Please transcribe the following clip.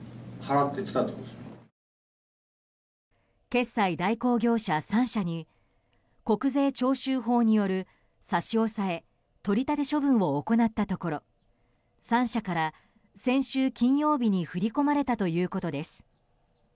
決済代行業者３社に国税徴収法による差し押さえ、取り立て処分を行ったところ、３社から先週金曜日に振り込まれたということです。